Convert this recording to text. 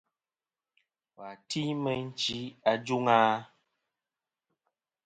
Wà ti meyn chi ajûŋ a?